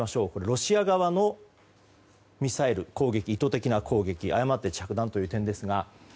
ロシア側のミサイル攻撃意図的な攻撃誤って着弾という点です。